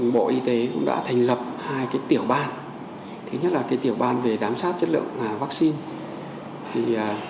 bộ y tế cũng đã thành lập hai tiểu ban thứ nhất là tiểu ban về giám sát chất lượng vaccine